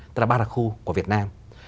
tức là ba đặc khu của việt nam